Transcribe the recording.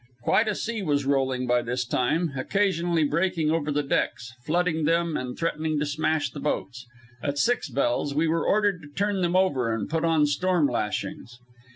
Quite a sea was rolling by this time, occasionally breaking over the decks, flooding them and threatening to smash the boats. At six bells we were ordered to turn them over and put on storm lashings.